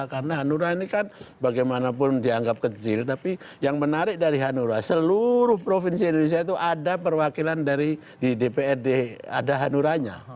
karena hanura ini kan bagaimanapun dianggap kecil tapi yang menarik dari hanura seluruh provinsi indonesia itu ada perwakilan dari di dprd ada hanuranya